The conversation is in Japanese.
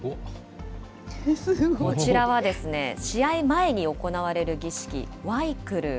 こちらはですね、試合前に行われる儀式、ワイクルー。